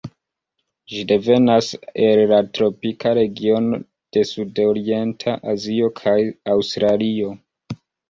Ĝi devenas el la tropika regiono de Sudorienta Azio kaj Aŭstralio.